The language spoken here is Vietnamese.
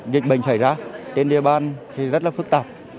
dịch bệnh xảy ra trên địa bàn thì rất là phức tạp